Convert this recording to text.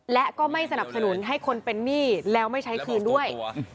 และก็ไม่สนับสนุนให้คนเป็นหนี้แล้วไม่ใช้คืนด้วย